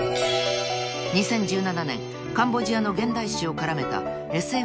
［２０１７年カンボジアの現代史を絡めたＳＦ小説